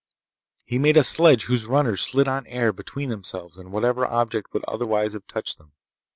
He made a sledge whose runners slid on air between themselves and whatever object would otherwise have touched them.